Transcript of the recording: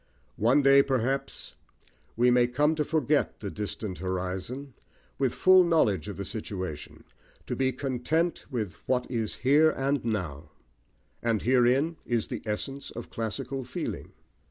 One day, perhaps, we may come to forget the distant horizon, with full knowledge of the situation, to be content with "what is here and now"; and herein is the essence of classical feeling.